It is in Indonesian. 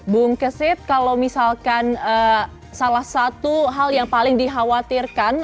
bung kesit kalau misalkan salah satu hal yang paling dikhawatirkan